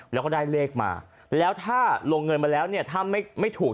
แล้วก็ได้เลขมาแล้วถ้าลงเงินมาแล้วเนี่ยถ้าไม่ถูก